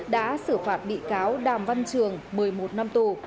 đã xử phạt bị cáo đàm văn trường một mươi một năm tù